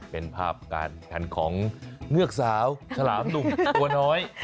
เป็นภาพการแผ่นของเงือกสาวฉลามหนุ่มตัวน้อย